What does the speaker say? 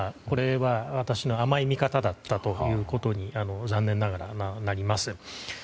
これは私の甘い見方だったということに残念ながらなります。